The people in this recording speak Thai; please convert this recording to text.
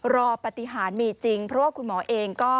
รอปฏิหารมีจริงเพราะว่าคุณหมอเองก็